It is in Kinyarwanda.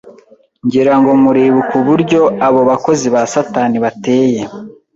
Ngira ngo muribuka uburyo Abo bakozi ba Satani bateye